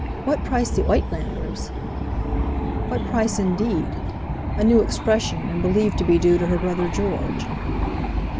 What price the Uitlanders?" What price, indeed! A new expression, and believed to be due to her brother George.